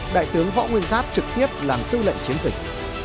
đại tướng võ nguyên giáp trực tiếp làm tư lệnh chiến dịch